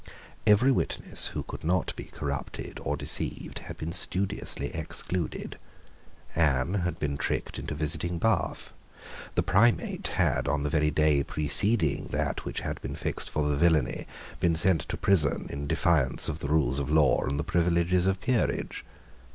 Every witness who could not be corrupted or deceived had been studiously excluded. Anne had been tricked into visiting Bath. The Primate had, on the very day preceding that which had been fixed for the villainy, been sent to prison in defiance of the rules of law and of the privileges of peerage.